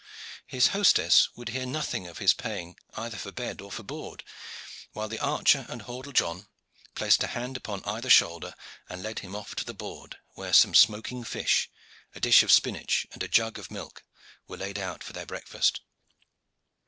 His hostess would hear nothing of his paying either for bed or for board, while the archer and Hordle John placed a hand upon either shoulder and led him off to the board, where some smoking fish, a dish of spinach, and a jug of milk were laid out for their breakfast.